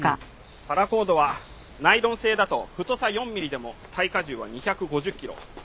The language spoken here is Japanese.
パラコードはナイロン製だと太さ４ミリでも耐荷重は２５０キロ。